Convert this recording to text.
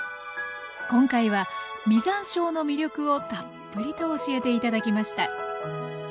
今回は実山椒の魅力をたっぷりと教えて頂きました